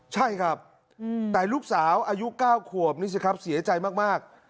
ใช่ครับแต่ลูกสาวอายุ๙ขวบนี่สิครับเสียใจมาก